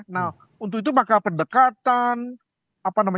nah untuk itu maka pendekatan